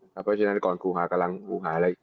เพราะฉะนั้นกันครูหากำลังครูหา